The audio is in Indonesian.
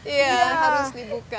iya harus dibuka